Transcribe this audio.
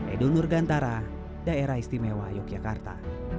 edul nur gantara daerah istimewa yogyakarta